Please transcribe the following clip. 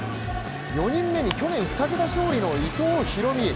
４人目に去年２桁勝利の伊藤大海。